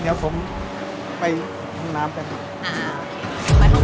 เดี๋ยวผมไปห้องน้ำกัน